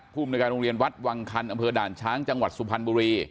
ภูมิในการโรงเรียนวัดวังคันอำเภอด่านช้างจังหวัดสุพรรณบุรี